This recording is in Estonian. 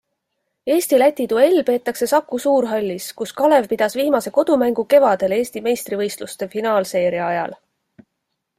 Eesti-Läti duell peetakse Saku suurhallis, kus Kalev pidas viimase kodumängu kevadel Eesti meistrivõistluste finaalseeria ajal.